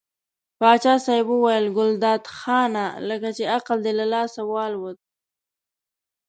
پاچا صاحب وویل ګلداد خانه لکه چې عقل دې له سره والوت.